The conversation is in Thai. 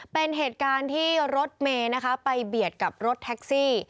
เป็นเหตุการณ์ที่รถเมย์นะคะไปเบียดกับรถแท็กซี่